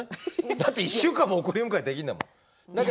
だって１週間も送り迎えできるんですから。